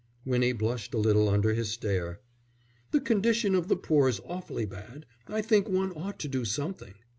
Winnie blushed a little under his stare. "The condition of the poor is awfully bad. I think one ought to do something."